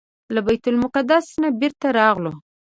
له بیت المقدس نه بیرته راغلو.